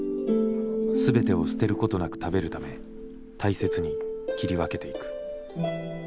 全てを捨てることなく食べるため大切に切り分けていく。